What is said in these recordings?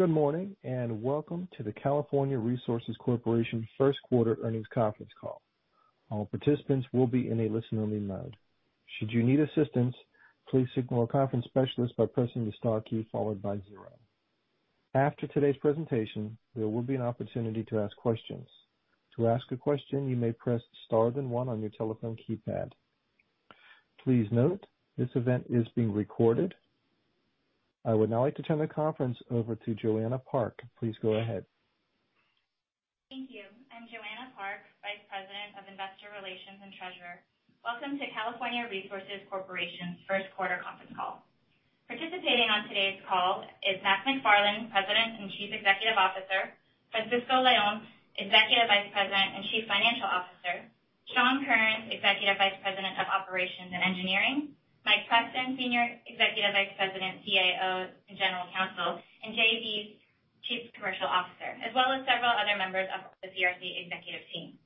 Good morning, welcome to the California Resources Corporation first quarter earnings conference call. All participants will be in a listen-only mode. Should you need assistance, please signal a conference specialist by pressing the star key followed by zero. After today's presentation, there will be an opportunity to ask questions. To ask a question, you may press star then one on your telephone keypad. Please note, this event is being recorded. I would now like to turn the conference over to Joanna Park. Please go ahead. Thank you. I'm Joanna Park, Vice President of Investor Relations and Treasurer. Welcome to California Resources Corporation's first quarter conference call. Participating on today's call is Mac McFarland, President and Chief Executive Officer, Francisco Leon, Executive Vice President and Chief Financial Officer, Shawn Kerns, Executive Vice President of Operations and Engineering, Mike Preston, Senior Executive Vice President, Chief Administrative Officer, and General Counsel, and Jay Bys, Chief Commercial Officer, as well as several other members of the CRC executive team.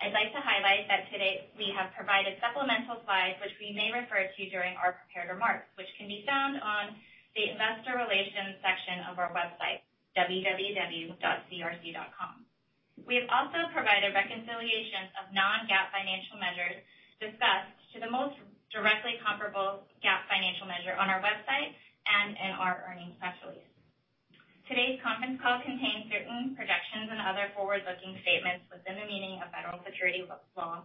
I'd like to highlight that today we have provided supplemental slides which we may refer to during our prepared remarks, which can be found on the investor relations section of our website, www.crc.com. We have also provided reconciliation of non-GAAP financial measures discussed to the most directly comparable GAAP financial measure on our website and in our earnings press release. Today's conference call contains certain projections and other forward-looking statements within the meaning of federal securities law.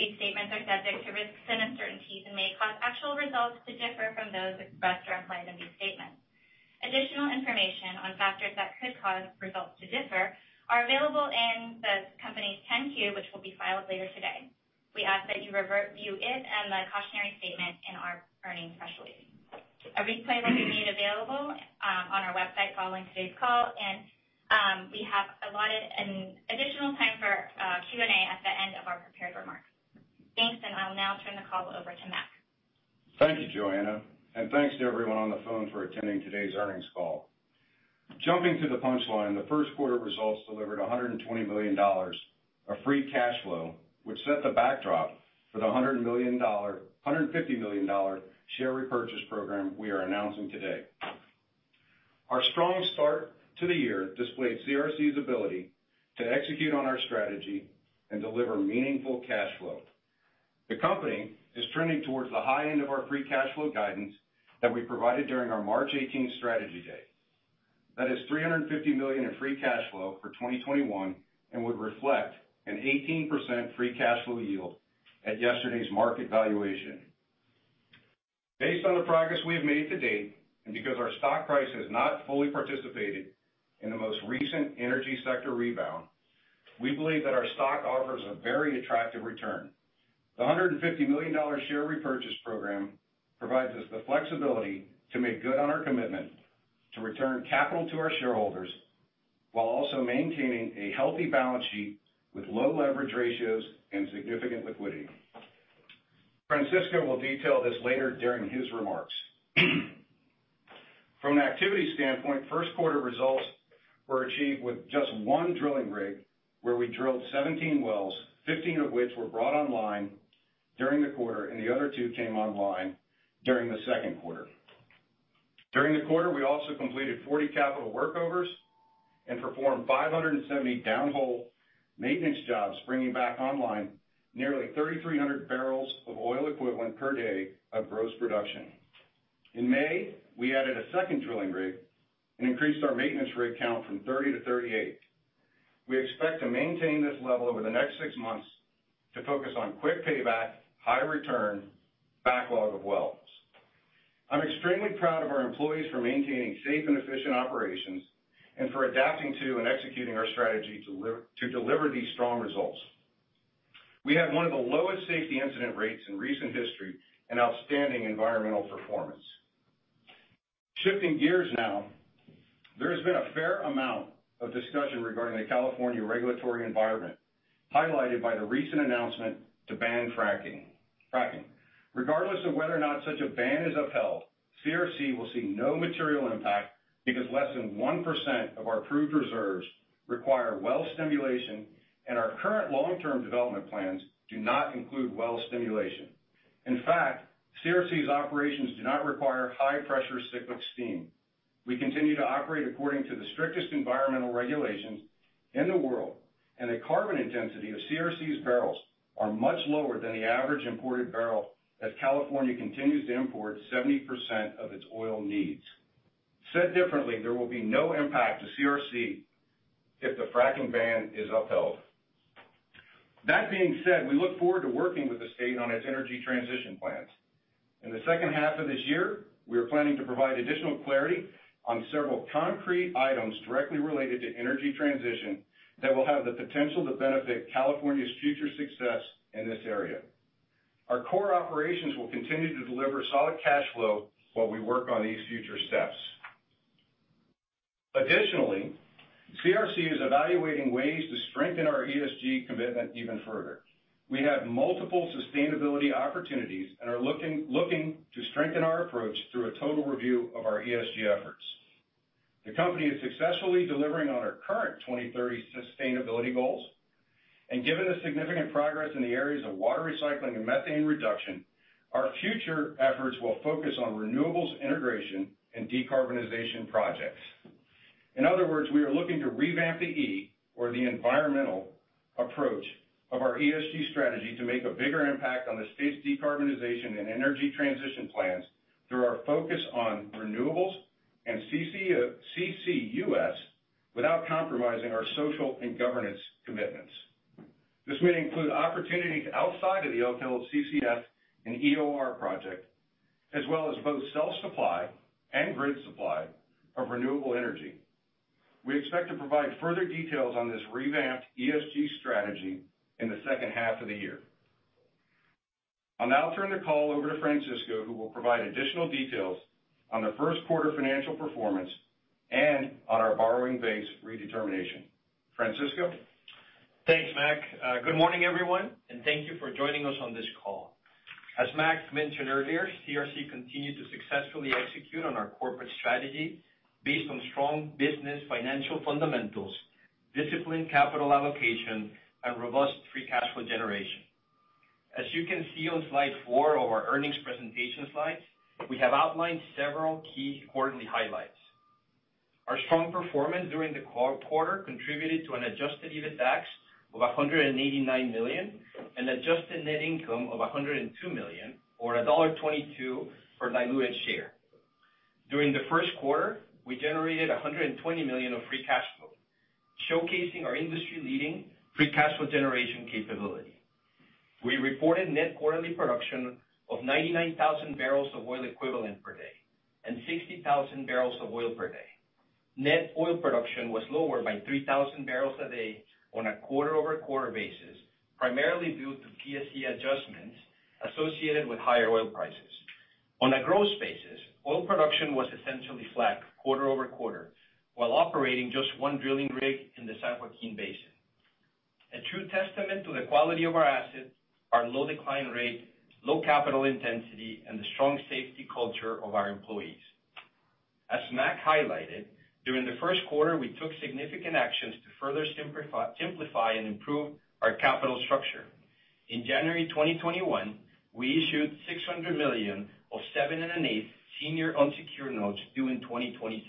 These statements are subject to risks and uncertainties and may cause actual results to differ from those expressed or implied in these statements. Additional information on factors that could cause results to differ are available in the company's 10-Q, which will be filed later today. We ask that you review it and the cautionary statement in our earnings press release. A replay will be made available on our website following today's call, and we have allotted an additional time for Q&A at the end of our prepared remarks. Thanks, and I'll now turn the call over to Mac. Thank you, Joanna. Thanks to everyone on the phone for attending today's earnings call. Jumping to the punchline, the first quarter results delivered $120 million of free cash flow, which set the backdrop for the $150 million share repurchase program we are announcing today. Our strong start to the year displayed CRC's ability to execute on our strategy and deliver meaningful cash flow. The company is trending towards the high end of our free cash flow guidance that we provided during our March 18 Strategy Day. That is $350 million in free cash flow for 2021 and would reflect an 18% free cash flow yield at yesterday's market valuation. Based on the progress we have made to date, because our stock price has not fully participated in the most recent energy sector rebound, we believe that our stock offers a very attractive return. The $150 million share repurchase program provides us the flexibility to make good on our commitment to return capital to our shareholders, while also maintaining a healthy balance sheet with low leverage ratios and significant liquidity. Francisco will detail this later during his remarks. From an activity standpoint, first quarter results were achieved with just one drilling rig, where we drilled 17 wells, 15 of which were brought online during the quarter, and the other two came online during the second quarter. During the quarter, we also completed 40 capital workovers and performed 570 downhole maintenance jobs, bringing back online nearly 3,300 bbl of oil equivalent per day of gross production. In May, we added a second drilling rig and increased our maintenance rig count from 30 to 38. We expect to maintain this level over the next six months to focus on quick payback, high return backlog of wells. I'm extremely proud of our employees for maintaining safe and efficient operations and for adapting to and executing our strategy to deliver these strong results. We had one of the lowest safety incident rates in recent history and outstanding environmental performance. Shifting gears now, there has been a fair amount of discussion regarding the California regulatory environment, highlighted by the recent announcement to ban fracking. Regardless of whether or not such a ban is upheld, CRC will see no material impact because less than 1% of our proved reserves require well stimulation, and our current long-term development plans do not include well stimulation. In fact, CRC's operations do not require high-pressure cyclic steam. We continue to operate according to the strictest environmental regulations in the world, and the carbon intensity of CRC's barrels are much lower than the average imported barrel as California continues to import 70% of its oil needs. Said differently, there will be no impact to CRC if the fracking ban is upheld. That being said, we look forward to working with the state on its energy transition plans. In the second half of this year, we are planning to provide additional clarity on several concrete items directly related to energy transition that will have the potential to benefit California's future success in this area. Our core operations will continue to deliver solid cash flow while we work on these future steps. Additionally, CRC is evaluating ways to strengthen our ESG commitment even further. We have multiple sustainability opportunities and are looking to strengthen our approach through a total review of our ESG efforts. The company is successfully delivering on our current 2030 sustainability goals. Given the significant progress in the areas of water recycling and methane reduction, our future efforts will focus on renewables integration and decarbonization projects. In other words, we are looking to revamp the E, or the environmental approach of our ESG strategy, to make a bigger impact on the state's decarbonization and energy transition plans through our focus on renewables and CCUS without compromising our social and governance commitments. This may include opportunities outside of the Elk Hills CCS and EOR project, as well as both self-supply and grid supply of renewable energy. We expect to provide further details on this revamped ESG strategy in the second half of the year. I'll now turn the call over to Francisco, who will provide additional details on the first quarter financial performance and on our borrowing base redetermination. Francisco? Thanks, Mac. Good morning, everyone, and thank you for joining us on this call. As Mac mentioned earlier, CRC continued to successfully execute on our corporate strategy based on strong business financial fundamentals, disciplined capital allocation, and robust free cash flow generation. As you can see on slide four of our earnings presentation slides, we have outlined several key quarterly highlights. Our strong performance during the quarter contributed to an adjusted EBITDAX of $189 million and adjusted net income of $102 million or $1.22 per diluted share. During the first quarter, we generated $120 million of free cash flow, showcasing our industry-leading free cash flow generation capability. We reported net quarterly production of 99,000 bbl of oil equivalent per day and 60,000 bbl of oil per day. Net oil production was lower by 3,000 bbl a day on a quarter-over-quarter basis, primarily due to PSC adjustments associated with higher oil prices. On a gross basis, oil production was essentially flat quarter-over-quarter while operating just one drilling rig in the San Joaquin Basin. A true testament to the quality of our assets, our low decline rate, low capital intensity, and the strong safety culture of our employees. As Mac highlighted, during the first quarter, we took significant actions to further simplify and improve our capital structure. In January 2021, we issued $600 million of seven and an eighth senior unsecured notes due in 2026.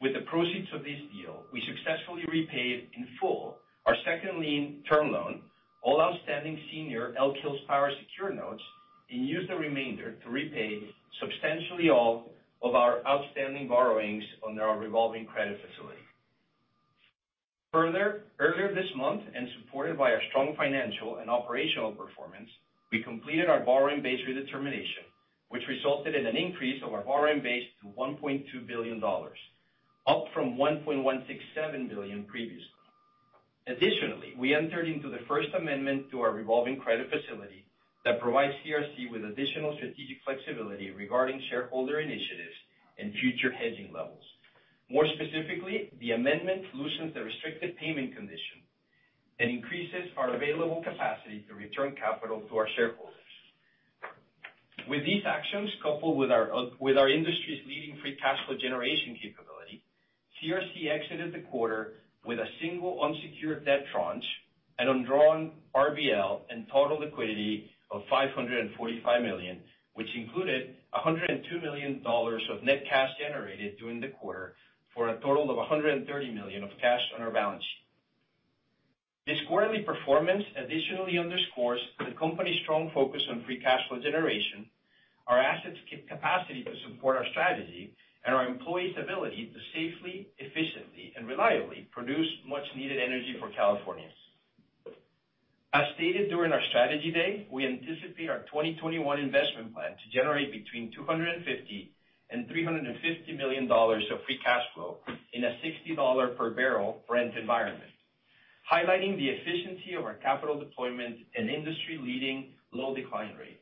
With the proceeds of this deal, we successfully repaid in full our second lien term loan, all outstanding senior Elk Hills Power secured notes, and used the remainder to repay substantially all of our outstanding borrowings on our revolving credit facility. Further, earlier this month, and supported by our strong financial and operational performance, we completed our borrowing base redetermination, which resulted in an increase of our borrowing base to $1.2 billion, up from $1.167 billion previously. Additionally, we entered into the first amendment to our revolving credit facility that provides CRC with additional strategic flexibility regarding shareholder initiatives and future hedging levels. More specifically, the amendment loosens the restricted payment condition and increases our available capacity to return capital to our shareholders. With these actions coupled with our industry's leading free cash flow generation capability, CRC exited the quarter with a single unsecured debt tranche and undrawn RBL and total liquidity of $545 million, which included $102 million of net cash generated during the quarter for a total of $130 million of cash on our balance sheet. This quarterly performance additionally underscores the company's strong focus on free cash flow generation, our assets capacity to support our strategy, and our employees' ability to safely, efficiently, and reliably produce much needed energy for Californians. As stated during our Strategy Day, we anticipate our 2021 investment plan to generate between $250 million and $350 million of free cash flow in a $60 per barrel Brent environment, highlighting the efficiency of our capital deployment and industry-leading low decline rates.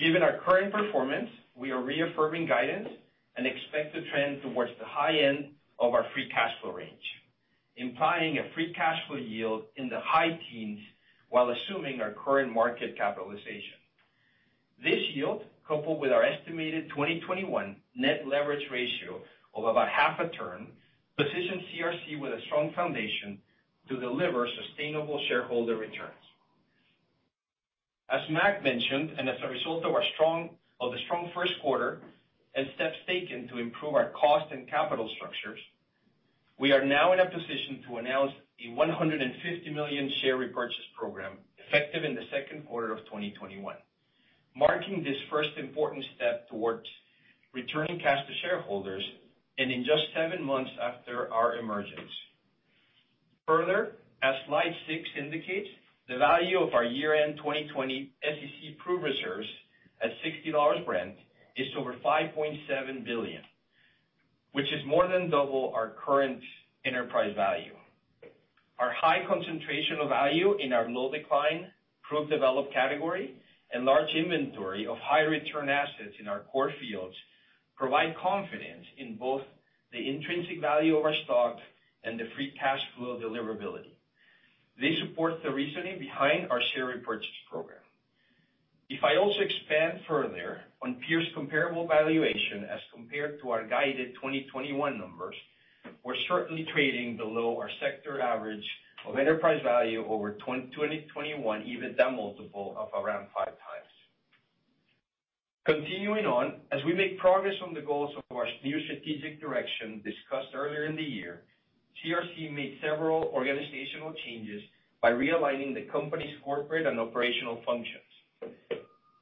Given our current performance, we are reaffirming guidance and expect to trend towards the high end of our free cash flow range, implying a free cash flow yield in the high teens while assuming our current market capitalization. This yield, coupled with our estimated 2021 net leverage ratio of about half a turn, positions CRC with a strong foundation to deliver sustainable shareholder returns. As Mac mentioned, as a result of the strong first quarter and steps taken to improve our cost and capital structures, we are now in a position to announce a $150 million share repurchase program effective in the second quarter of 2021, marking this first important step towards returning cash to shareholders and in just seven months after our emergence. As slide six indicates, the value of our year-end 2020 SEC proved reserves at $60 Brent is over $5.7 billion, which is more than double our current enterprise value. Our high concentration of value in our low decline, proved-developed category and large inventory of high return assets in our core fields provide confidence in both the intrinsic value of our stock and the free cash flow deliverability. This supports the reasoning behind our share repurchase program. If I also expand further on peers comparable valuation as compared to our guided 2021 numbers, we're certainly trading below our sector average of enterprise value over 2021, EBITDA multiple of around 5x. Continuing on, as we make progress on the goals of our new strategic direction discussed earlier in the year, CRC made several organizational changes by realigning the company's corporate and operational functions.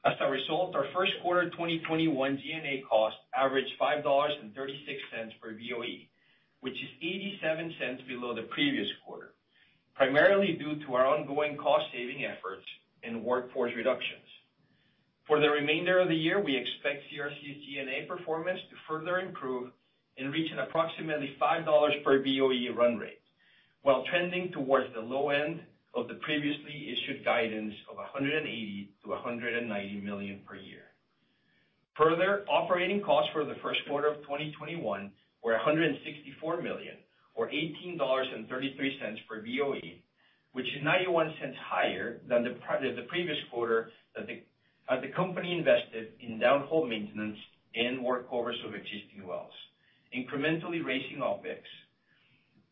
As a result, our first quarter 2021 G&A cost averaged $5.36 per BOE, which is $0.87 below the previous quarter, primarily due to our ongoing cost-saving efforts and workforce reductions. For the remainder of the year, we expect CRC's G&A performance to further improve and reach an approximately $5 per BOE run rate, while trending towards the low end of the previously issued guidance of $180 million-$190 million per year. Further, operating costs for the first quarter of 2021 were $164 million or $18.33 per BOE, which is $0.91 higher than the previous quarter as the company invested in downhole maintenance and workovers of existing wells, incrementally raising OpEx.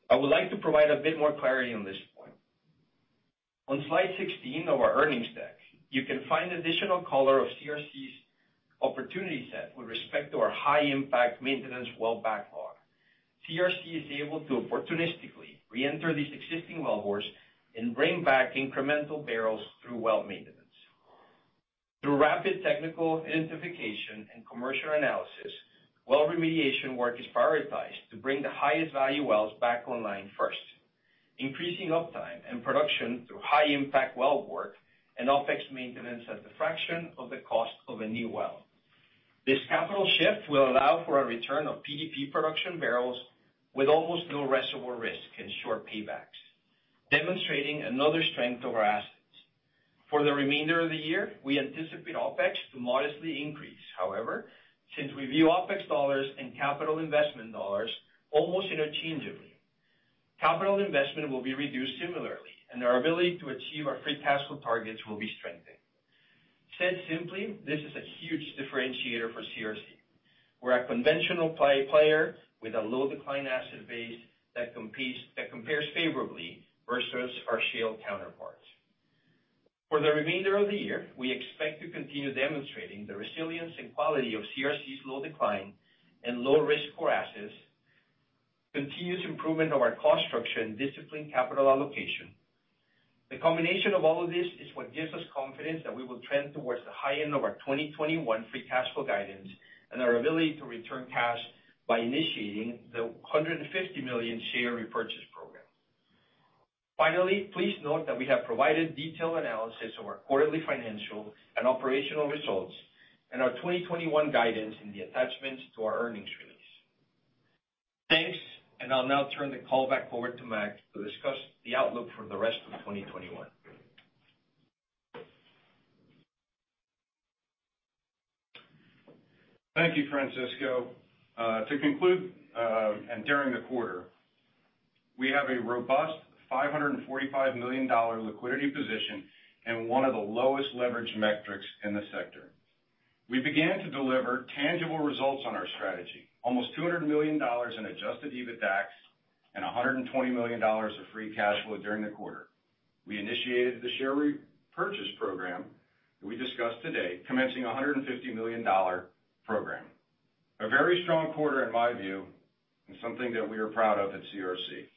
I would like to provide a bit more clarity on this point. On slide 16 of our earnings deck, you can find additional color of CRC's opportunity set with respect to our high impact maintenance well backlog. CRC is able to opportunistically reenter these existing wellbores and bring back incremental barrels through well maintenance. Through rapid technical identification and commercial analysis, well remediation work is prioritized to bring the highest value wells back online first, increasing uptime and production through high impact well work and OpEx maintenance at the fraction of the cost of a new well. This capital shift will allow for a return of PDP production barrels with almost no reservoir risk and short paybacks, demonstrating another strength of our assets. For the remainder of the year, we anticipate OpEx to modestly increase. However, since we view OpEx dollars and capital investment dollars almost interchangeably, capital investment will be reduced similarly, and our ability to achieve our free cash flow targets will be strengthened. Said simply, this is a huge differentiator for CRC. We're a conventional player with a low decline asset base that compares favorably versus our shale counterparts. For the remainder of the year, we expect to continue demonstrating the resilience and quality of CRC's low decline and low risk for assets, continuous improvement of our cost structure, and disciplined capital allocation. The combination of all of this is what gives us confidence that we will trend towards the high end of our 2021 free cash flow guidance and our ability to return cash by initiating the $150 million share repurchase program. Finally, please note that we have provided detailed analysis of our quarterly financial and operational results and our 2021 guidance in the attachments to our earnings release. Thanks. I'll now turn the call back over to Mac to discuss the outlook for the rest of 2021. Thank you, Francisco. To conclude, during the quarter, we have a robust $545 million liquidity position and one of the lowest leverage metrics in the sector. We began to deliver tangible results on our strategy, almost $200 million in adjusted EBITDAX and $120 million of free cash flow during the quarter. We initiated the share repurchase program that we discussed today, commencing a $150 million program. A very strong quarter in my view, something that we are proud of at CRC.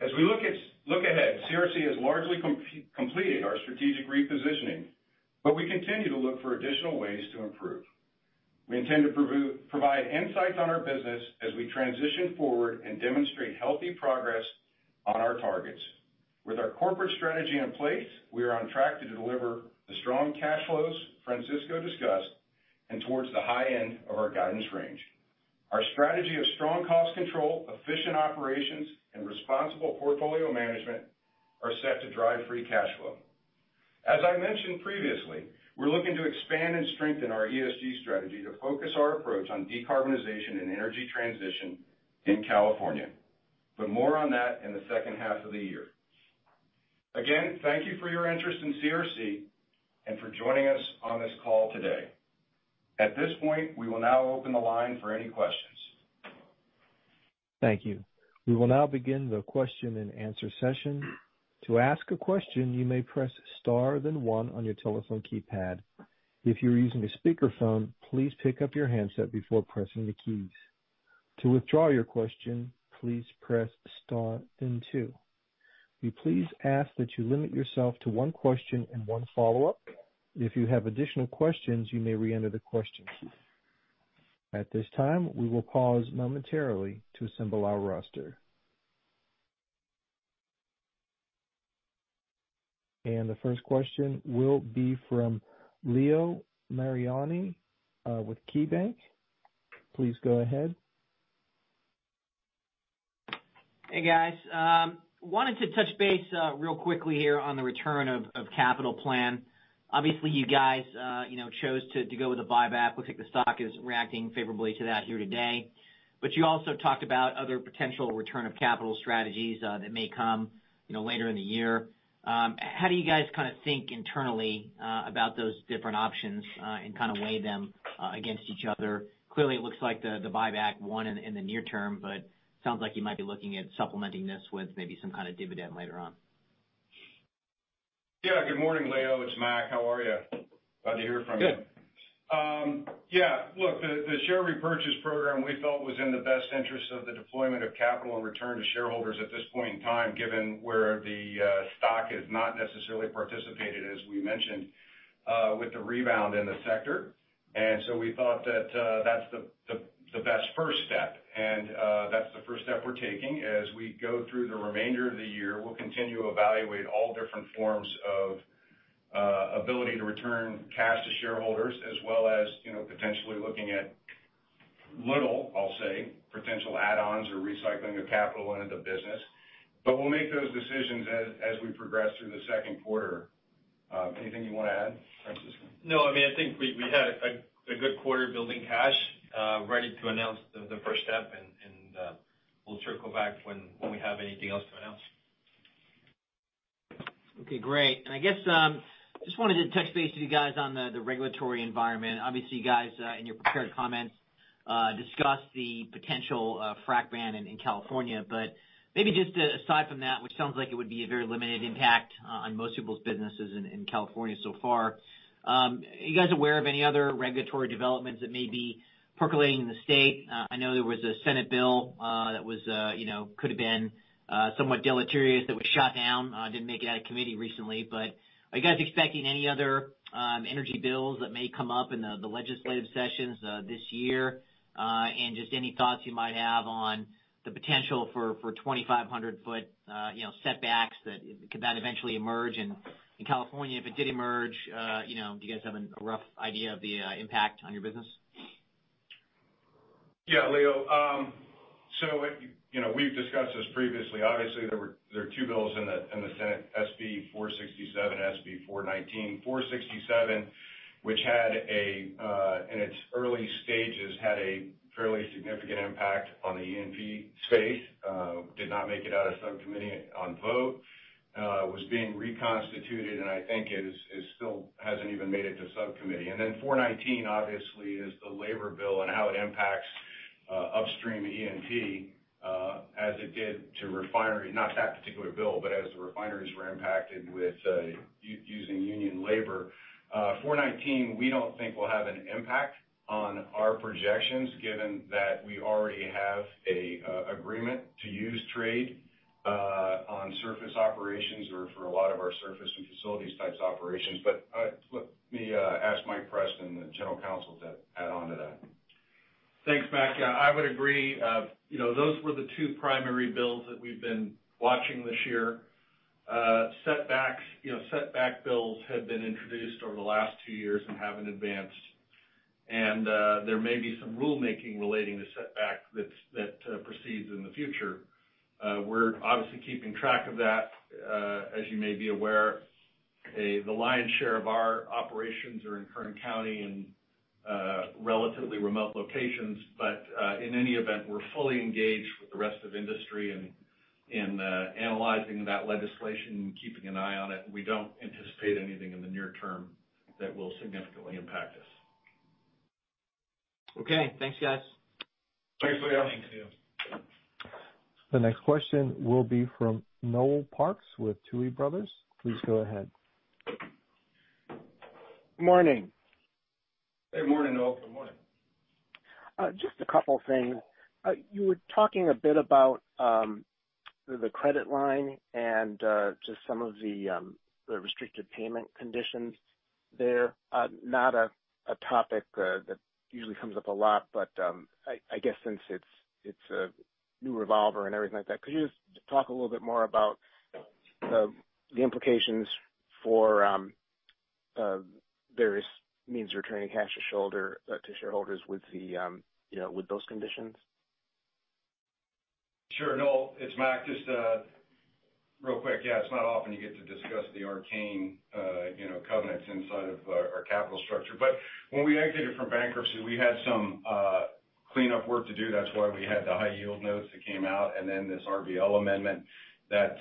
As we look ahead, CRC has largely completed our strategic repositioning, we continue to look for additional ways to improve. We intend to provide insights on our business as we transition forward and demonstrate healthy progress on our targets. With our corporate strategy in place, we are on track to deliver the strong cash flows Francisco discussed and towards the high end of our guidance range. Our strategy of strong cost control, efficient operations, and responsible portfolio management are set to drive free cash flow. As I mentioned previously, we're looking to expand and strengthen our ESG strategy to focus our approach on decarbonization and energy transition in California. More on that in the second half of the year. Again, thank you for your interest in CRC and for joining us on this call today. At this point, we will now open the line for any questions. Thank you. We will now begin the question-and-answer session. To ask a question, you may press star then one on your telephone keypad. If you're using a speakerphone, please pick up your handset before pressing the keys. To withdraw your question, please press star then two. We please ask that you limit yourself to one question and one follow-up. If you have additional questions, you may reenter the question. At this time, we will pause momentarily to assemble our roster. The first question will be from Leo Mariani, with KeyBanc. Please go ahead Hey guys. Wanted to touch base real quickly here on the return of capital plan. Obviously, you guys chose to go with a buyback. Looks like the stock is reacting favorably to that here today. You also talked about other potential return of capital strategies that may come later in the year. How do you guys think internally about those different options and weigh them against each other? Clearly, it looks like the buyback won in the near term, but it sounds like you might be looking at supplementing this with maybe some kind of dividend later on. Yeah. Good morning, Leo. It's Mac. How are you? Glad to hear from you. Good. Yeah. Look, the share repurchase program we felt was in the best interest of the deployment of capital and return to shareholders at this point in time, given where the stock has not necessarily participated, as we mentioned, with the rebound in the sector. We thought that's the best first step, and that's the first step we're taking. As we go through the remainder of the year, we'll continue to evaluate all different forms of ability to return cash to shareholders as well as potentially looking at little, I'll say, potential add-ons or recycling of capital into the business. We'll make those decisions as we progress through the second quarter. Anything you want to add, Francisco? No. I think we had a good quarter building cash, ready to announce the first step, and we'll circle back when we have anything else to announce. Okay, great. I guess, just wanted to touch base with you guys on the regulatory environment. Obviously, you guys, in your prepared comments, discussed the potential frack ban in California. Maybe just aside from that, which sounds like it would be a very limited impact on most people's businesses in California so far, are you guys aware of any other regulatory developments that may be percolating in the state? I know there was a Senate bill that could have been somewhat deleterious that was shot down. Didn't make it out of committee recently. Are you guys expecting any other energy bills that may come up in the legislative sessions this year? Just any thoughts you might have on the potential for 2,500-ft setbacks that could eventually emerge in California? If it did emerge, do you guys have a rough idea of the impact on your business? Yeah, Leo. We've discussed this previously. Obviously, there are two bills in the Senate, SB 467, SB 419. SB 467, which in its early stages, had a fairly significant impact on the E&P space. Did not make it out of subcommittee on vote. Was being reconstituted. I think it still hasn't even made it to subcommittee. SB 419, obviously, is the labor bill and how it impacts upstream E&P as it did to refinery-- not that particular bill, but as the refineries were impacted with using union labor. SB 419, we don't think will have an impact on our projections given that we already have an agreement to use trade on surface operations or for a lot of our surface and facilities types operations. Let me ask Mike Preston, the General Counsel, to add on to that. Thanks, Mac. Yeah, I would agree. Those were the two primary bills that we've been watching this year. Setback bills have been introduced over the last two years and haven't advanced. There may be some rulemaking relating to setback that proceeds in the future. We're obviously keeping track of that. As you may be aware, the lion's share of our operations are in Kern County in relatively remote locations. In any event, we're fully engaged with the rest of the industry in analyzing that legislation and keeping an eye on it. We don't anticipate anything in the near term that will significantly impact us. Okay. Thanks, guys. Thanks, Leo. Thank you. The next question will be from Noel Parks with Tuohy Brothers. Please go ahead. Morning. Hey. Morning, Noel. Good morning. Just a couple of things. You were talking a bit about the credit line and just some of the restricted payment conditions there. Not a topic that usually comes up a lot, but I guess since it's a new revolver and everything like that, could you just talk a little bit more about the implications for various means of returning cash to shareholders with those conditions? Sure. Noel, it's Mac. Just real quick. Yeah, it's not often you get to discuss the arcane covenants inside of our capital structure. When we exited from bankruptcy, we had some cleanup work to do. That's why we had the high-yield notes that came out, and then this RBL amendment that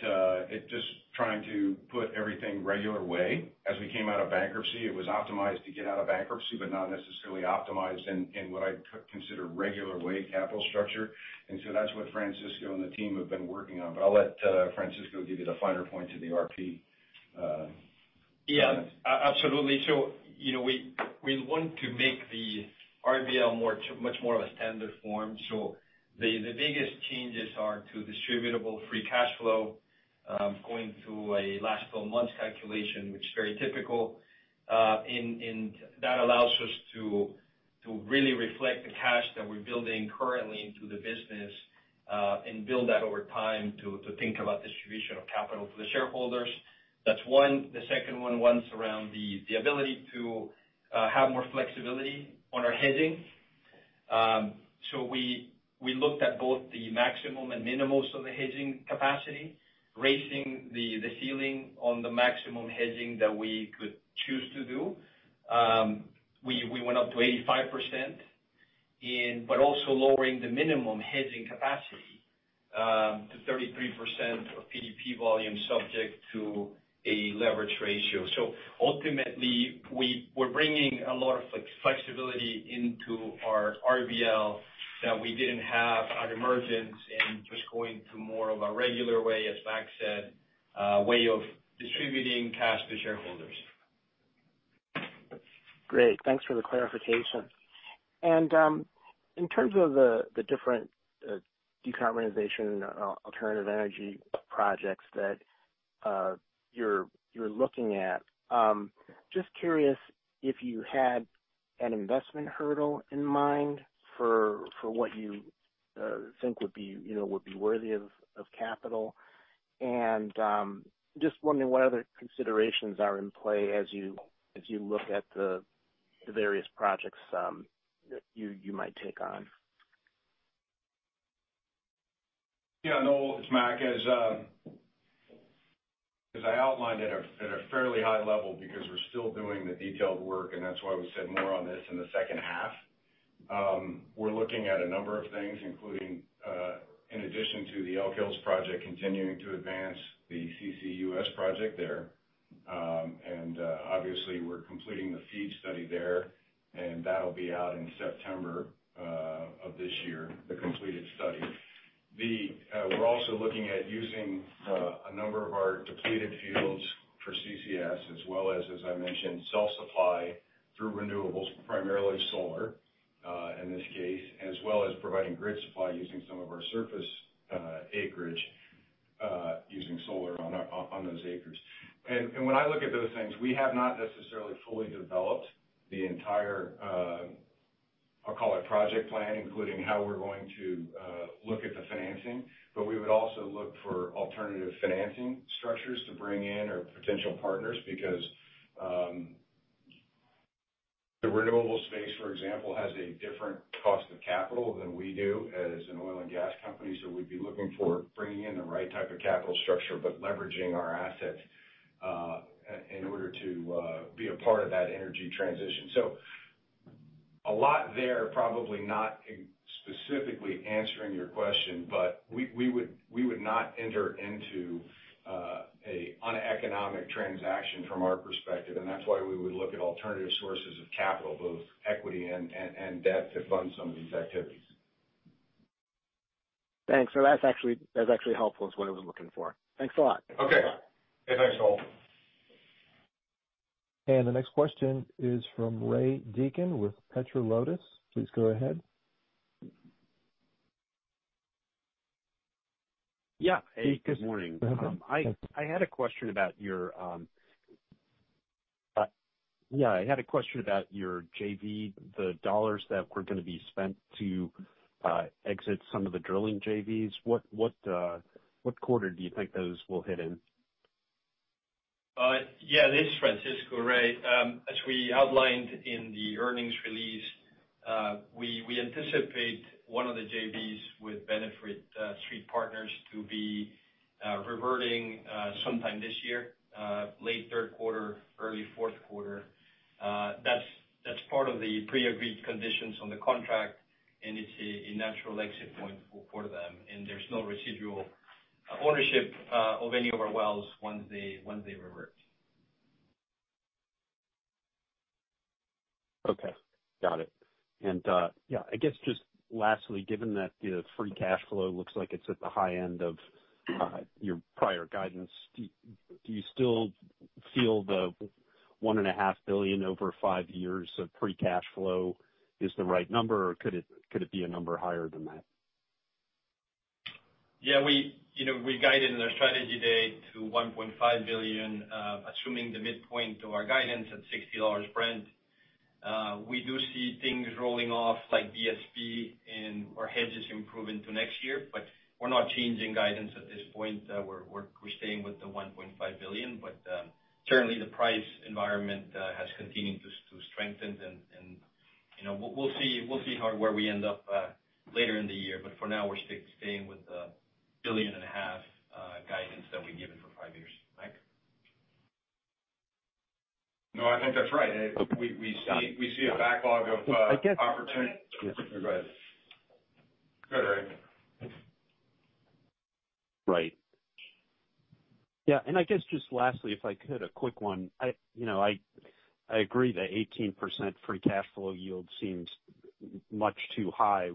it just trying to put everything regular way. As we came out of bankruptcy, it was optimized to get out of bankruptcy, but not necessarily optimized in what I'd consider regular way capital structure. That's what Francisco and the team have been working on. I'll let Francisco give you the finer points of the RP. Yeah. Absolutely. We want to make the RBL much more of a standard form. The biggest changes are to distributable free cash flow, going to a last 12 months calculation, which is very typical. That allows us to really reflect the cash that we're building currently into the business, and build that over time to think about distribution of capital for the shareholders. That's one. The second one surrounds the ability to have more flexibility on our hedging. We looked at both the maximum and minimums of the hedging capacity, raising the ceiling on the maximum hedging that we could choose to do. We went up to 85%, but also lowering the minimum hedging capacity to 33% of PDP volume, subject to a leverage ratio. Ultimately, we're bringing a lot of flexibility into our RBL that we didn't have at emergence, and just going to more of a regular way, as Mac said, way of distributing cash to shareholders. Great. Thanks for the clarification. In terms of the different decarbonization alternative energy projects that you're looking at, just curious if you had an investment hurdle in mind for what you think would be worthy of capital, and just wondering what other considerations are in play as you look at the various projects that you might take on. Yeah, Noel, it's Mac. As I outlined at a fairly high level, because we're still doing the detailed work, that's why we said more on this in the second half. We're looking at a number of things, including, in addition to the Elk Hills project, continuing to advance the CCUS project there. Obviously, we're completing the FEED study there, that'll be out in September of this year, the completed study. We're also looking at using a number of our depleted fields for CCS as well as I mentioned, self-supply through renewables, primarily solar, in this case, as well as providing grid supply using some of our surface acreage, using solar on those acres. When I look at those things, we have not necessarily fully developed the entire, I'll call it project plan, including how we're going at the financing. We would also look for alternative financing structures to bring in or potential partners, because the renewable space, for example, has a different cost of capital than we do as an oil and gas company. We'd be looking for bringing in the right type of capital structure, but leveraging our assets in order to be a part of that energy transition. A lot there, probably not specifically answering your question, but we would not enter into an uneconomic transaction from our perspective, and that's why we would look at alternative sources of capital, both equity and debt to fund some of these activities. Thanks. That's actually helpful, is what I was looking for. Thanks a lot. Okay. Hey, thanks, Noel. The next question is from Ray Deacon with Petro Lotus. Please go ahead. Yeah. Hey, good morning. Go ahead. I had a question about your JV, the dollars that were going to be spent to exit some of the drilling JVs. What quarter do you think those will hit in? Yeah. This is Francisco, Ray. As we outlined in the earnings release, we anticipate one of the JVs with Benefit Street Partners to be reverting sometime this year. Late third quarter, early fourth quarter. That's part of the pre-agreed conditions on the contract, and it's a natural exit point for them, and there's no residual ownership of any of our wells once they revert. Okay, got it. Yeah, I guess just lastly, given that the free cash flow looks like it's at the high end of your prior guidance, do you still feel the $1.5 billion over five years of free cash flow is the right number, or could it be a number higher than that? Yeah. We guided in our Strategy Day to $1.5 billion, assuming the midpoint of our guidance at $60 Brent. We do see things rolling off like BSP and our hedges improve into next year. We're not changing guidance at this point. We're staying with the $1.5 billion. Certainly the price environment has continued to strengthen, and we'll see where we end up later in the year. For now, we're staying with the $1.5 billion guidance that we've given for five years. Mac? No, I think that's right. Yeah. A backlog of- I guess- Opportunities. Go ahead. Go ahead, Ray. Right. Yeah, I guess just lastly, if I could, a quick one. I agree the 18% free cash flow yield seems much too high.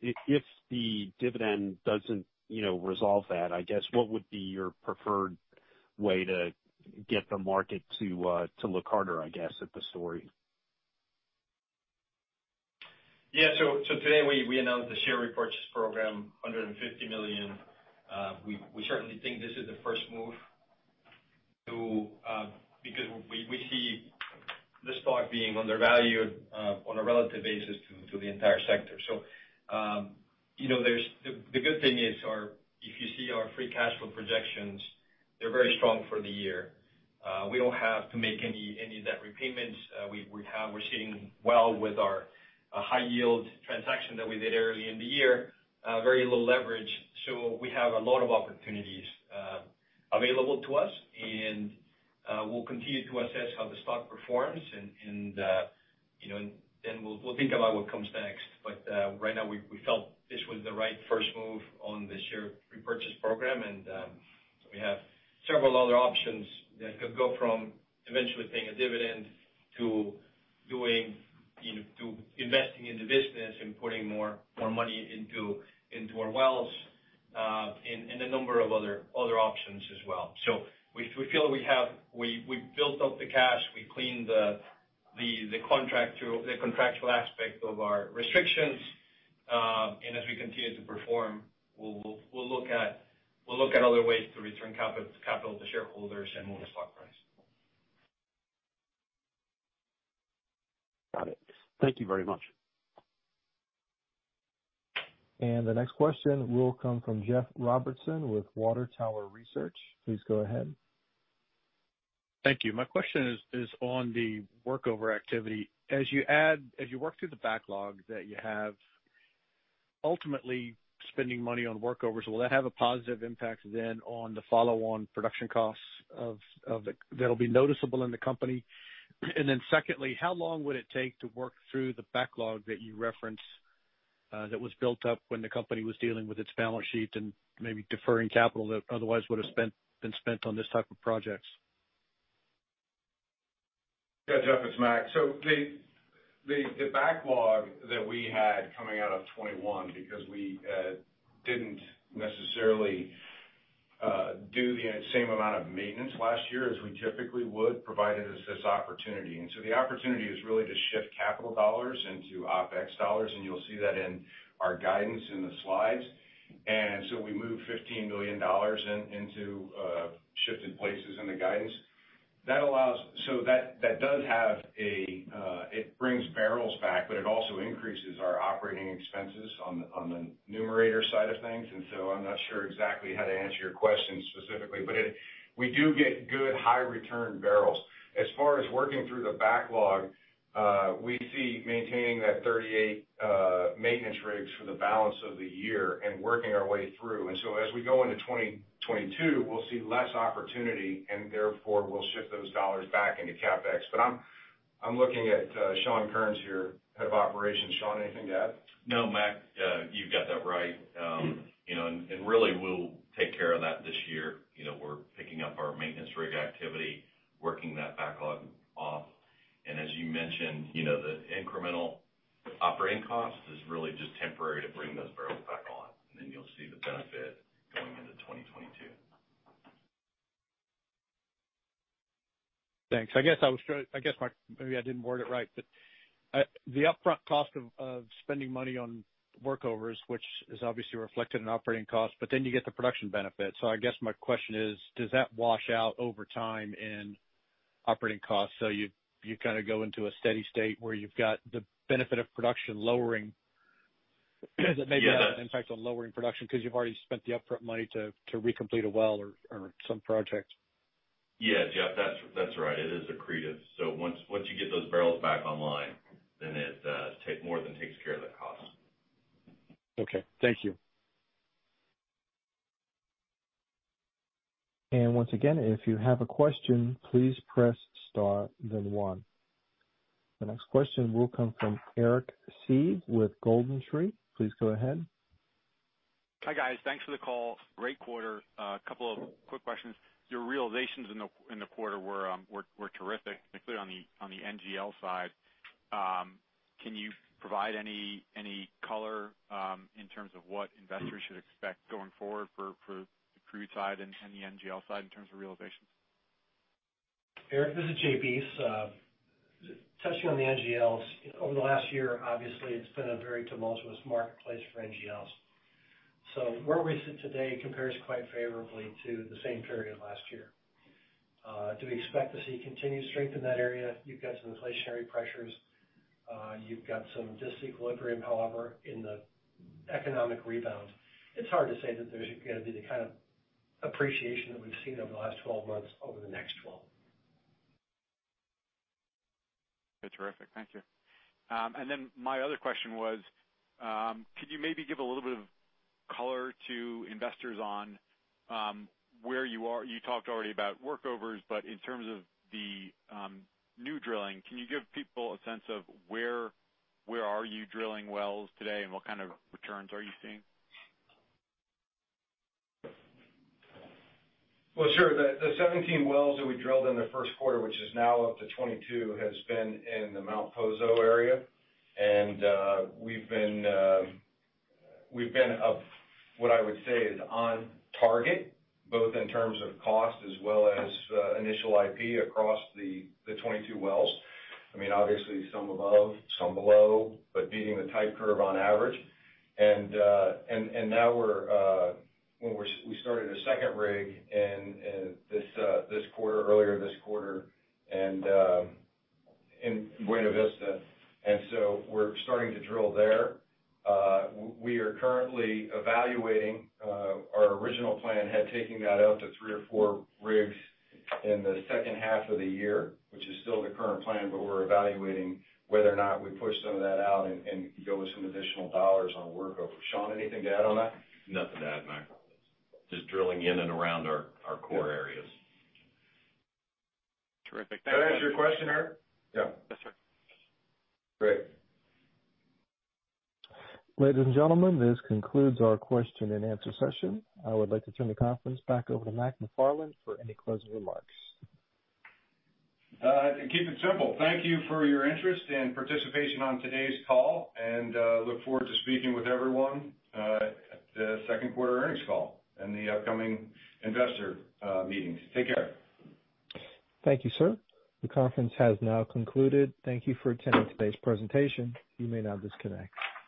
If the dividend doesn't resolve that, I guess, what would be your preferred way to get the market to look harder, I guess, at the story? Yeah. Today we announced the share repurchase program, $150 million. We certainly think this is the first move, because we see the stock being undervalued on a relative basis to the entire sector. The good thing is, if you see our free cash flow projections, they're very strong for the year. We don't have to make any debt repayments. We're sitting well with our high-yield transaction that we did early in the year. Very low leverage. We have a lot of opportunities available to us, and we'll continue to assess how the stock performs, and then we'll think about what comes next. Right now we felt this was the right first move on the share repurchase program. We have several other options that could go from eventually paying a dividend to investing in the business and putting more money into our wells, and a number of other options as well. We feel we've built up the cash, we cleaned the contractual aspect of our restrictions. As we continue to perform, we'll look at other ways to return capital to shareholders and move the stock price. Got it. Thank you very much. The next question will come from Jeff Robertson with Water Tower Research. Please go ahead. Thank you. My question is on the workover activity. As you work through the backlog that you have, ultimately spending money on workovers, will that have a positive impact then on the follow-on production costs that'll be noticeable in the company? Secondly, how long would it take to work through the backlog that you referenced, that was built up when the company was dealing with its balance sheet and maybe deferring capital that otherwise would've been spent on this type of projects? Jeff, it's Mac. The backlog that we had coming out of 2021, because we didn't necessarily do the same amount of maintenance last year as we typically would, provided us this opportunity. The opportunity is really to shift capital dollars into OpEx dollars, and you'll see that in our guidance in the slides. We moved $15 million into shifted places in the guidance. It brings barrels back, but it also increases our operating expenses on the numerator side of things. I'm not sure exactly how to answer your question specifically, but we do get good high-return barrels. As far as working through the backlog, we see maintaining that 38 maintenance rigs for the balance of the year and working our way through. As we go into 2022, we'll see less opportunity, and therefore, we'll shift those dollars back into CapEx. I'm looking at Shawn Kerns here, Head of Operations. Shawn, anything to add? No, Mac, you've got that right. Really, we'll take care of that this year. We're picking up our maintenance rig activity, working that backlog off. As you mentioned, the incremental operating cost is really just temporary to bring those barrels back on, and then you'll see the benefit going into 2022. Thanks. Maybe I didn't word it right, but the upfront cost of spending money on workovers, which is obviously reflected in operating costs, but then you get the production benefit. I guess my question is, does that wash out over time in operating costs? You kind of go into a steady state where you've got the benefit of production lowering- Yeah. Maybe it has an impact on lowering production because you've already spent the upfront money to recomplete a well or some project. Yeah, Jeff, that's right. It is accretive. Once you get those barrels back online, then it more than takes care of that cost. Okay. Thank you. Once again, if you have a question, please press star then one. The next question will come from Eric Seeve with GoldenTree. Please go ahead. Hi, guys. Thanks for the call. Great quarter. A couple of quick questions. Your realizations in the quarter were terrific, particularly on the NGL side. Can you provide any color in terms of what investors should expect going forward for the crude side and the NGL side in terms of realizations? Eric, this is Jay Bys. Touching on the NGLs, over the last year, obviously, it's been a very tumultuous marketplace for NGLs. Where we sit today compares quite favorably to the same period last year. Do we expect to see continued strength in that area? You've got some inflationary pressures. You've got some disequilibrium, however, in the economic rebound. It's hard to say that there's going to be the kind of appreciation that we've seen over the last 12 months over the next 12. Terrific. Thank you. My other question was, could you maybe give a little bit of color to investors on where you are? You talked already about workovers, but in terms of the new drilling, can you give people a sense of where are you drilling wells today, and what kind of returns are you seeing? Well, sure. The 17 wells that we drilled in the first quarter, which is now up to 22, has been in the Mount Poso area. We've been, what I would say, is on target, both in terms of cost as well as initial IP across the 22 wells. Obviously, some above, some below, but beating the type curve on average. Now we started a second rig earlier this quarter in Buena Vista. We're starting to drill there. We are currently evaluating. Our original plan had taken that out to three or four rigs in the second half of the year, which is still the current plan, but we're evaluating whether or not we push some of that out and go with some additional dollars on workover. Shawn, anything to add on that? Nothing to add, Mac. Just drilling in and around our core areas. Terrific. Thank you. Did that answer your question, Eric? Yeah. Yes, sir. Great. Ladies and gentlemen, this concludes our question-and-answer session. I would like to turn the conference back over to Mac McFarland for any closing remarks. To keep it simple, thank you for your interest and participation on today's call, and look forward to speaking with everyone at the second quarter earnings call and the upcoming investor meetings. Take care. Thank you, sir. The conference has now concluded. Thank you for attending today's presentation. You may now disconnect.